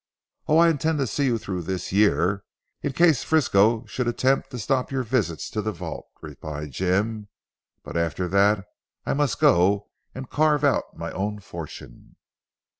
"Oh, I intend to see you through the year, in case Frisco should attempt to stop your visits to the vault," replied Jim. "But after that I must go and carve out my own fortune."